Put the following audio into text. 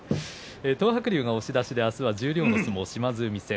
東白龍が押し出して明日は十両の相撲島津海戦。